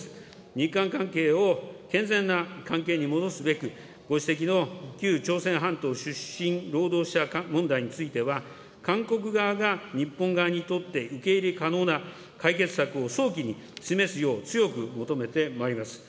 日韓関係を健全な関係に戻すべく、ご指摘の旧朝鮮半島出身労働者問題については、韓国側が日本側にとって受け入れ可能な解決策を早期に示すよう強く求めてまいります。